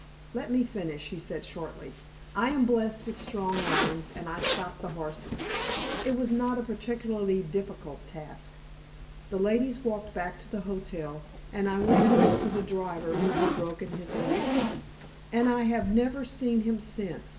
"Let me finish," he said, shortly. "I am blessed with strong arms, and I stopped the horses. It was not a particularly difficult task. The ladies walked back to the hotel, and I went to look for the driver, who had broken his leg." "And I have never seen him since!"